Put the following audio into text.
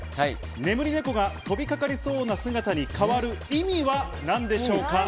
眠り猫が飛びかかりそうな姿に変わる意味は何でしょうか？